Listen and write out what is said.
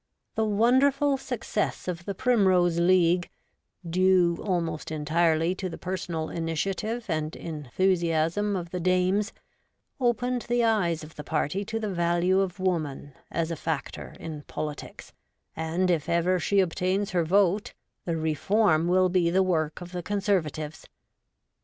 The wonderful success of the Primrose League, due almost entirely to the personal initiative and enthusiasm of the Dames, opened the eyes of the party to the value of woman as a factor in politics, and if ever she obtains her vote the reform will be the work of the Conservatives.